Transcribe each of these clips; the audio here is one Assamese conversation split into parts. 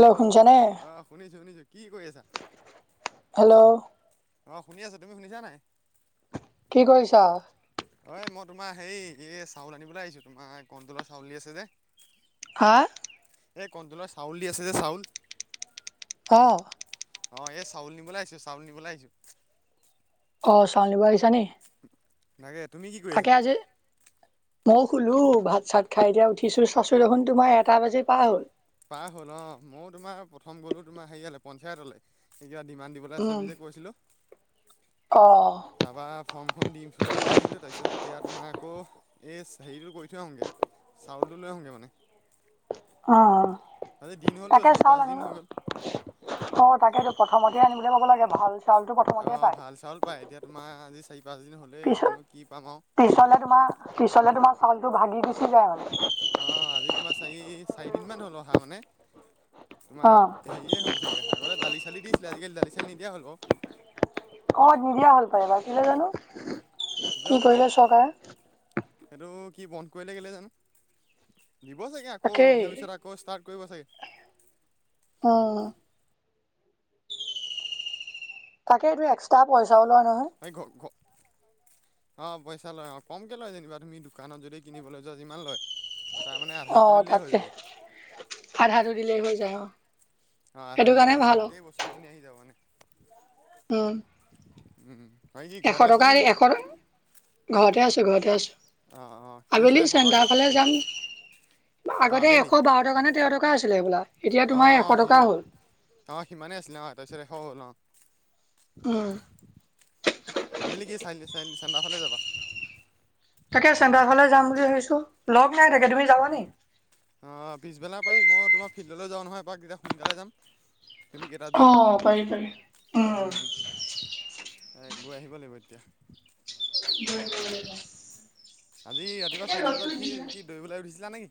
হেল্ল' আহ শুনিছো শুনিছো কি কৰি আছা। হেল্ল' অ শুনি আছো তুমি শুনিছা নাই। কি কৰিছা। অঐ মই তোমাৰ হেৰি এই চাউল আনিবলৈ আহিছো তোমাৰ কণ্টলৰ চাউল দি আছে যে- হয় এ কণ্টলৰ চাউল দি আছে যে চাউল অ অ এই চাউল নিবলৈ আহিছো চাউল নিবলৈ আহিছো। অ চাউল নিব আহিছ নি লাগে তুমি কি কৰি আছা মই শুলো ভাত চাত খাই এতিয়া উঠিছো চাইচো দেখোন তোমাৰ এটা বাজি পাৰ হ'ল। পাৰ হ'ল অ মইয়ো তোমাৰ প্ৰথম গলো তোমাৰ হেৰিয়ালে পঞ্চায়তলৈ কিবা ডিমান দিবলৈ আছে উম বুলি যে কৈছিলোঁ। অ তাৰপা ফৰ্মখন দি থৈ মেলি আহিলোঁ তাৰপিছত এতিয়া তোমাৰ আকৌ এই হেৰিটো কৰি থৈ আহোঁগৈ চাউলটো লৈ আহোঁগৈ মানে অ আজি দিন হ'লতো তাকে চাৰি চাউল পাঁচদিন আনিব হৈ গ'ল অ তাকে প্ৰথমতে আনিব। যাব লাগে ভাল। চাউলটো প্ৰথমতে অ পায়। ভাল চাউল পাই এতিয়া তোমাৰ আজি। চাৰি পাঁচদিন হ'লেই পিছ জানো কি পাম আৰু পিছলে তোমাৰ পিছলে তোমাৰ চাউলতটো ভাগি গুচি যায়। অ' আজি তোমাৰ চাৰি চাৰিদিনমান হ'ল অহা মানে অ। তোমাৰ হেৰিয়ে হ'ল চাগে আগতে দালি চালি দিছিলে আজিকালি দালি চালি নিদিয়া হ'ল- অ নিদিয়া হ'ল টো কেলে জানো কি জানো পাই কৰিলে চৰকাৰে সেইটো কি বন্ধ কৰিলে কেলে জানো দিব চাগে আকৌ অলপ তাকেই। দিনৰ পিছত আকৌ ষ্টাৰ্ট- কৰিব চাগে অ তাকে এইটো এক্সট্ৰা পইচাও লোৱা নহয়। এই ঘ ঘ অ পইচা লয় অ কমকে লয় যেনিবা তুমি দোকানত যদি কিনিবলৈ যোৱা যিমান লয়। তাৰ মানে অ আধাটো দিলেই হৈ তাতে যায় আধাটো দিলেই হৈ যায় অ অ সেইটো আধাৰ কাৰণে দিলে ভাল তোমাৰ অ গোটেই বস্তু খিনি আহি যাব মানে উম হয় কি এশ ঘৰতে আছিলা টকা নেকি এতিয়া এশ কা ঘৰতে আছো ঘৰতে আছো অ' অ' কি আছিলে আবেলি সতৰা চেণ্টাৰ কি ফালে যাম। অ' আগতে আবেলি এশ বাৰ টকা নে তেৰ টকা আছিলে সবোলা অ অ সি অ সিমানেই আছিলে অ তাৰপিছত এশ হ'ল অ আহ আবেলি কি চেণ্টাৰ ফালে যাবা তাকে চেণ্টাৰ ফালে যাম বুলি ভাবিছো লগ নাই তাকে তুমি যাবা নি অ পিছবেলা পাৰিম মই তোমাৰ ফিল্ডলৈ যাওঁ নহয় এপাক তেতিয়া সোনকালে যাম তুমি কেইটাত অ যোৱা পাৰি পাৰি উম এই গৈ আহিব লাগিব এতিয়া আজি ৰাতিপুৱা এতিয়া চাৰিটা ৰ'দটো বজাত উঠি দিলে কি দৌৰিবলৈ উঠিছিলা নেকি?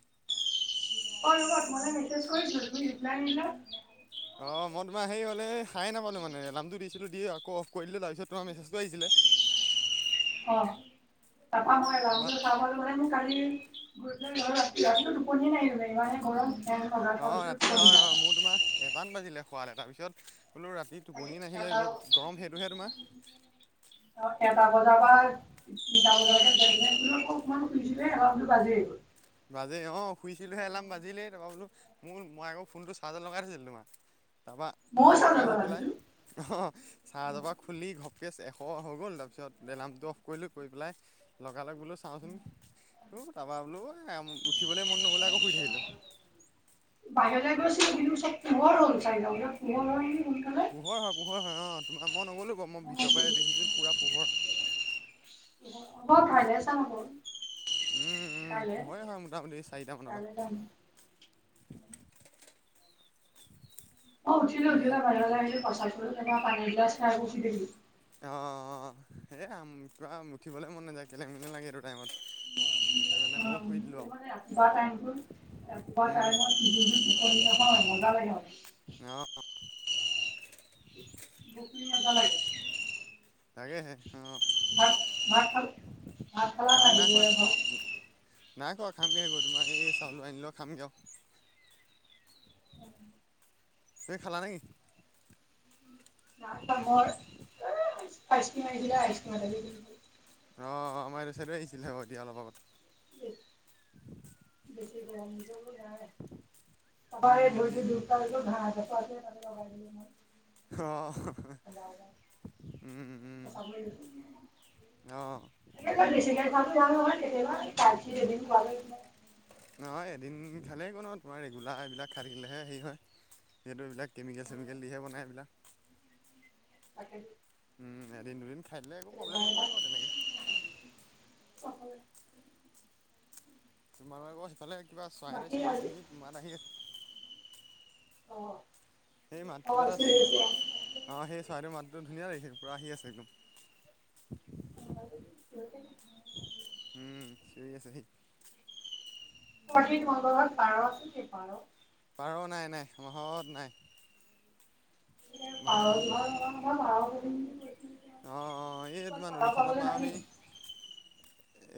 হয় মই মেছেজ কৰিছিলো তুমি ৰিপ্লাই নিদিলা। অ মই তোমাৰ হেৰি হলে সাৰে নাপালো মানে এলামটো দিছিলো দি আকৌ অফ কৰি দিলো তাৰপিছত তোমাৰ মেছেজটো আহিছিলে [inaudible] আহ তাপা মই ৰা তাৰপৰা কামল মানে মই কালি ৰা ৰা অঁ [unintelligible] খোৱালে তাৰপিছত বোলো ৰাতি টোপনি নাহিলে এটা ৰ'দ গৰম সেইটোহে তোমাৰ। এটা বজাৰ পৰা তিনিটা বজালৈকে অ সম সুধিছিলে দুটা বাজেয়েই গ'ল। বাজে অ শুইছিলোহে এলাম বাজিলেই তাপৰা বোলো। মোৰ মই আকৌ ফোনটো চাৰ্জ লগাই থৈছিলোঁ তোমাৰ। তাৰপৰা ময়ো চাওঁ ঘপককৈ যাবা আহি পেলাই ভাবিছো অ চাৰ্জৰ পৰা খুলি ঘপ কেছ এশ হৈ গ'ল তাৰপিছত এলাৰ্মটো অফ কৰিলোঁ কৰি পেলাই। লগা লগ বোলো চাওঁচোন তাৰাপা বোলো। উঠিবলৈ মন নগ'লে আকৌ শুই থাকিলোঁ। বাহিৰ যাই গৈছিল চাই পোহৰ হ'ল চাই যা পোহৰ সোনকালে পোহৰ হয় পোহৰ হয় অ তোমাৰ মই নগ'লো বাৰু মই ভিতৰ পৰাই দেখিছোঁ পুৰা পোহৰ। হ'ব কাইলে চাম আকৌ উম কাইলে উমো হয় হয় মোটামুটি চাৰিটা মানৰ কাইলে যাম। পৰা। অ উঠিলে তাকে উঠিলা পান লাগিলে পচা পো পানীৰ এগিলাচ খাই শুই থাকিলো আহ স কিবা উঠিবলে মন নাযায় কেলে নালাগে এইটো টাইমত। সেইটো কাৰণে ময়ো শুই দিলোঁ আৰু [unintelligible] ৰাতিপুৱা টাইত মজা লাগে। অ [unintelligible] তাকে হে। ভাত খালা নাই ভাত নাই খোৱা দুপৰীয়া ভাত। নাই খোৱা খাম গেহে তোমাৰ এই চাউলো আনিলেও খামগেয় আও। তুমি খালা নেকি? [unintelligible] অ ‌আমাৰ ত চাইডো আহিছিলে দিয়া এতিয়া অলপ আগত। বেছি গৰম নাই ত এই উম, যি ধৰিত ঘাঁহ এ [unintelligible] অ অ উম, উম। অ' [unintelligible] [unintelligible] দিনফালে গ' ন তোমাৰ ৰেগুলাৰ এইবিলাক খাই থাকিলেহে হেৰি হয়। যিহেতু এইবিলাক কেমিকেল চেমিকেল দিহে বনায় এইবিলাক। তাকে উম এদিন দুদিন খাই দে একো প্ৰব্লেম নকৰে ম তেনেকে। অ তোমালোক আকৌ সেইফালে কিবা চৰায়ে বাকী চিয়ৰি আছে আজি নেকি মাত আহি আছে। অ সেই মাততি [inaudible] বাাৰ অ সেই ছোৱী মাত একম ধুনীয়া লাগিছে পুৰা আহি আছে একদম। অ [inaudible] ঠ আছেি [inaudible] সহ মগৰ পাৰ আছে সেই পাৰ [inaudible] আৰু নাই নাই মাহত নাই প আমাৰ পাৰ [inaudible] ক অ' অ' এই তোমাৰ পঢ়া নদীখনৰ পাবলৈ পৰা নাহে সেই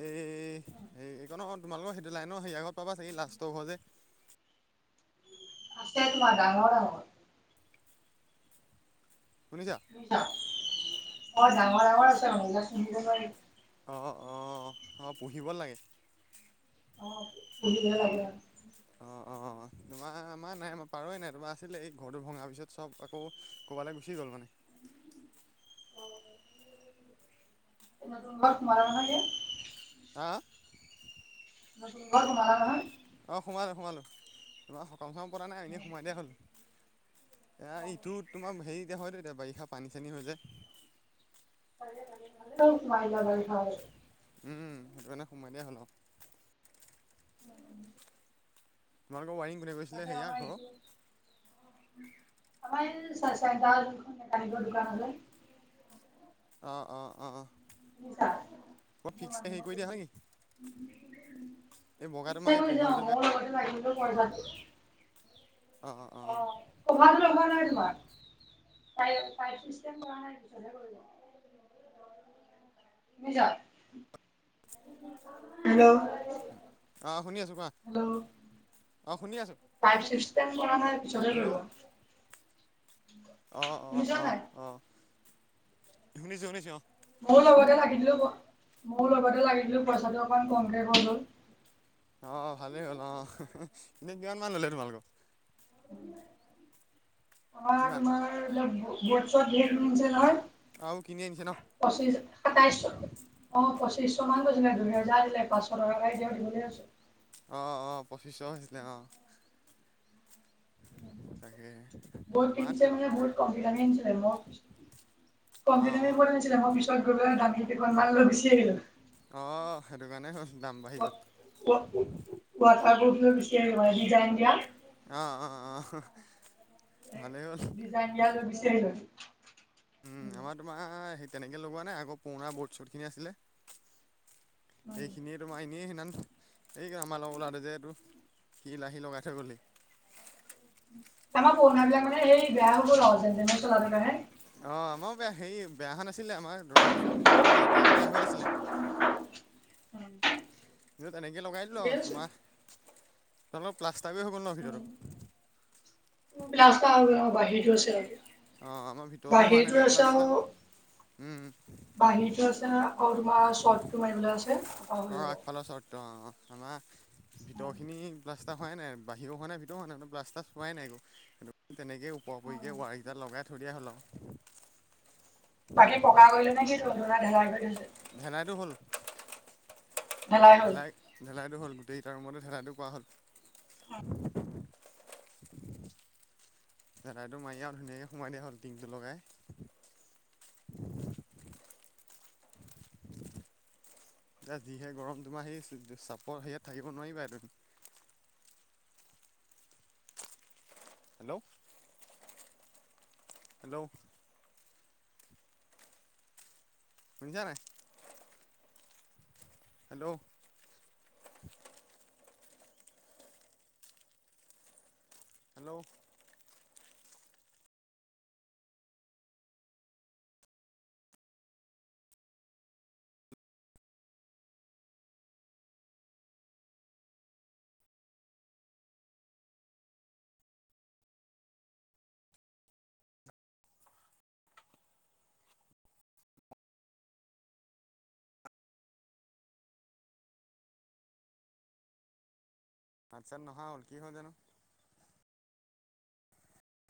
এই হে এইকাৰণ তোমালোকৰ সেইটো লাইন হেৰি আগত পাবা চাগ লাষ্টৰ ঘৰ যে। আছে তোমাৰ ডাঙৰ, ডাঙৰ। শুনিছা অ ডাঙৰ ডাঙৰ আছে। আহ অ আহ পুহিব লাগে। পুহিব লাগে। অঁ অঁ অঁ। আ আমাৰ নাই পাৰেই নাই তমাৰ আছিলে এই ঘৰটো ভঙা পিছত চব আকৌ ক'ৰবালৈ গুচি গ'ল মানে [unintelligible] এ ত বৰষ মাৰ ন হৈছে। হাঁ ম ঘৰ তোমালাৰ ন অঁ সোমালো সোমালো তোমাৰ সকাম চকাম পৰা নাই এনেই সোমাই দিয়া হ'ল- এ ইটো অ তোমাৰ হেৰি এতিয়া হয়ত এতিয়া বাৰিষা পানী চানী হৈ যায়। চ মাইদা ল ভ উম সেইটো কাৰণে সোমাই দিয়া হ'ল- উম উ তোমাৰলোকৰ ৱৰং তাকে আমাৰটো আমাৰ এই মেকানিকৰ দোকানলৈ- অঁ অঁ অঁ নি মানুহৈছ কৰি দিয়া হয় নেকি ইচছা কৰি যাওঁ এই বগা তোমাৰ এই মোৰ কভাৰ লগতে লাগি কা আঁহ অঁ পশিষ্ট হেল্ল' আহ শুনি আছো কোৱা? অ শুনি আছো ফাইভ চিক্ন কৰা নাই পিছতে ৰব- অ অ অ অ শুনিছো শুনিছো অ আহ- মোৰ লগতে লাগিলো মোৰ লগতে লাগি দিলো পইচাটো অকমান কমকে গ গল- অ ভালে হ'ল অ এনেই কিমান মান ললে তোমালোকক- আমাৰ কিমান তোমাৰ বত ভেৰছে আৰু কিনি আনিছে ন নহয়। পঁচিছ সাতাইশশ অঁ পঁচি- তিশ মান গৈছিলে দুই হেজাৰ দিলে পাঁচশ টকাকাই দিয় দছো। আহ অঁ পঁশিছ ন আঁহ তাকে ব আমাৰ কিনছে মানে বহুত কমফিডেঞ্চত অঁ অঁ [unintelligible] অ', সেইটো কাৰণেই হ'ল দাম বাঢ়ি গ'ল [unintelligible] ডিজাইন দিয়া। অ' অ' অ', অহ'। ডিজাইনয় দিয়ালৈ বিচাৰিলে উম, আমাৰ তোমাৰ সেই তেনেকে লগোৱা নাই আকৌ পুৰণা বৰ্ড-চৰ্ট খিনি আছিলে। সেইখিনিয়ে তোমাৰ এনেই একাৰ আমাৰ লগত ওলাওটে যে এইটো, সি লাহি লগাই থৈ গ'লহি। আমাৰ পুৰণা বিলাক মানে সেই বেয়াবোৰ দাদা [unintelligible] কাৰণে। বে হেৰি বেয়া হোৱা নাছিলে আমাৰ ৰং-চং গৈ মানে লেতেৰা-পেতেৰা হৈ আছিলে। [unintelligible] ত' তেনেকে লগাই দিলো ঠিকে আৰু আছে। তোমাৰ, তলত পলাচ উ', ৰাস্তা বাহিৰতো আছে আৰু অ', আমাৰ ভিতৰতো হোৱা নাই যে প্লাষ্টাৰ, উম। বাহিৰতো আছে হা, আকৌ তোমাৰ ৰ্চটতো মাৰিবলৈ আছে। তাৰপৰা হৈ অ', যাব। আগফালৰ শৰ্টতো অ'। আমাৰ ভিতৰ খিনি প্লাষ্টাৰ হোৱাই নাই। বাহিৰৰ হোৱা নাই ভিতৰত হোৱা নাই, প্লাষ্টাৰ হোৱাই নাই একো। তেনেকে ওপৰা-ওপৰিকে ৱাইৰকেইটা লগাই থৈ দিয়া হ'ল আও। বাকী পকা কৰিলে নে কি ধ-ধনা ঢেলাই কৰিছে। ভেনাইতটো হল। ঢেলাই হ'ল? ঢেলাই-ঢেলাইটো হ'ল গোটেইকেইটা ৰুমতো ঢেলাইটো কৰা হ'ল। ঢেলাইটো মাৰি আও ধুনীয়াকে সোমাই দিয়া হ'ল, টিংটো লগাই। এ যিহে গৰম তোমাৰ সেই চ-চাপৰ সেইয়াত থাকিব নোৱাৰিবা তমি। হেল্ল'। হেল্ল' শুনিছা নে নাই? হেল্ল' হেল্ল' তাৰছত নহা হ'ল, কি হল জানো।